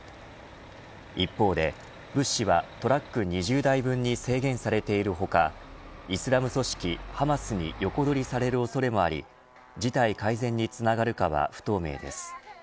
一方で、物資はトラック２０台分に制限されている他イスラム組織ハマスに横取りされる恐れもあり事態改善につながるかは不透明です。